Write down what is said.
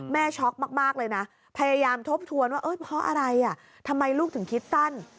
ช็อกมากเลยนะพยายามทบทวนว่าเพราะอะไรทำไมลูกถึงคิดสั้น